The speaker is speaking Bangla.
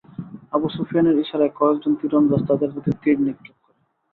আবু সুফিয়ানের ইশারায় কয়েকজন তীরন্দাজ তাদের প্রতি তীর নিক্ষেপ করে।